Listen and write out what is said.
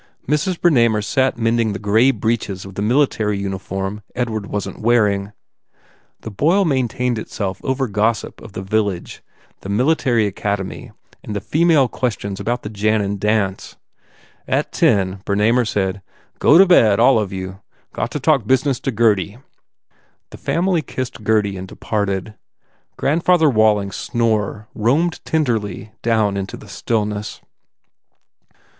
Mrs. Bernamer sat mending the grey breeches of the military uniform Edward wasn t wearing. The boil maintained itself over gossip of the vil lage, the Military Academy and female questions about the Jannan dance. At ten Bernamer said, u Go to bed, all of you. Got to talk business to Gurdy." The family kissed Gurdy and departed. Grandfather Walling s snore roamed tenderly down into the stillness.